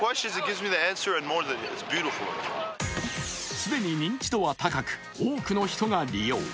既に認知度は高く、多くの人が利用。